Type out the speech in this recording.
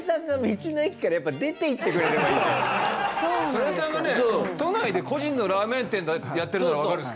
ソネさんがね都内で個人のラーメン店やってるならわかるんですけど。